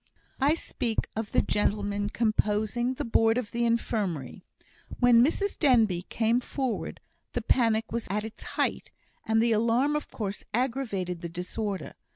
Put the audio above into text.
I speak of the gentlemen composing the Board of the Infirmary. When Mrs Denbigh came forward, the panic was at its height, and the alarm of course aggravated the disorder.